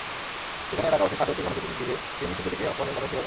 সেখানে এলাকাবাসী শাহাদতকে গণপিটুনি দিলে তিনি শিশুটিকে অপহরণের কথা স্বীকার করেন।